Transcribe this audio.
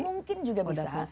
mungkin juga bisa